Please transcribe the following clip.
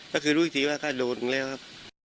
ก็คือรู้สึกที่ว่าก็โดนแล้วครับ